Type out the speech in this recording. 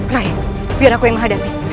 rakyat biar aku yang menghadapi